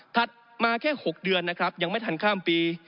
มาแค่๖เดือนนะครับยังไม่ทันข้ามปี